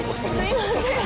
すいません！